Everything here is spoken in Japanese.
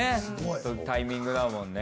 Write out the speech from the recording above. そのタイミングだもんね。